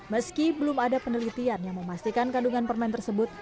meski belum ada penelitian yang memastikan kandungan permen tersebut